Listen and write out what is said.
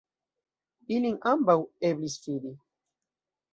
Ilin ambaŭ eblis fidi.